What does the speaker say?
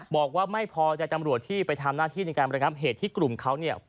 บอกว่าไม่พอแกต่อมาหลวดที่ไปทำหน้าที่ในการบรยงทำเหตุที่กลุ่มเขา